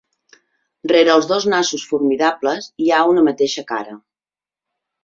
Rere els dos nassos formidables hi ha una mateixa cara.